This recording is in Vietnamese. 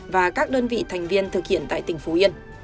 và các đơn vị thành viên thực hiện tại tỉnh phú yên